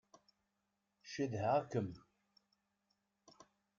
Cedhaɣ-kem.